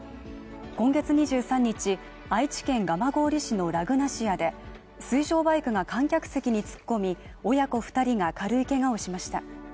今月２３日、愛知県蒲郡市のラグナシアで水上バイクが観客席に突っ込み親子２人が軽いけがをしました。